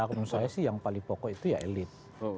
kalau menurut saya sih yang paling pokok itu ya elit